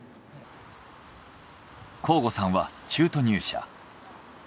向後さんは中途入社。